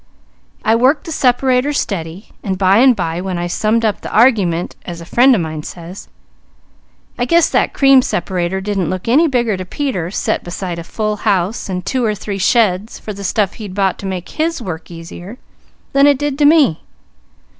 I worked the separator steady, and by and by when I 'summed up the argument,' as a friend of mine says, I guess that cream separator didn't look any bigger to Peter, set beside a full house and two or three sheds for the stuff he'd brought to make his work easier, than it did to me."